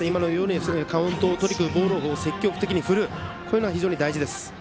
カウントをとりにくるボールを積極的に振るのは大事です。